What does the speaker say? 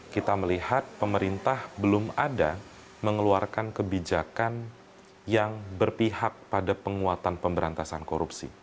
kita melihat pemerintah belum ada mengeluarkan kebijakan yang berpihak pada penguatan pemberantasan korupsi